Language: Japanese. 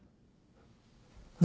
何？